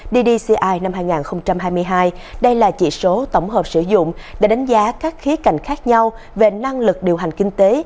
ddci năm hai nghìn hai mươi hai đây là chỉ số tổng hợp sử dụng để đánh giá các khía cạnh khác nhau về năng lực điều hành kinh tế